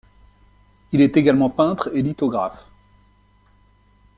Il est également peintre et lithographe.